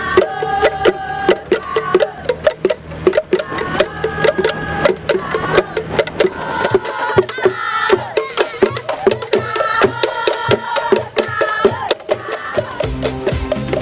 sahur sahur sahur